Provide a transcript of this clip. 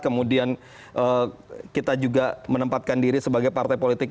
kemudian kita juga menempatkan diri sebagai partai politik